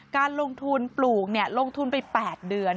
การลงทุนปลูกลงทุนไป๘เดือน